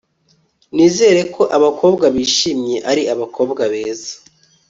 nizera ko abakobwa bishimye ari abakobwa beza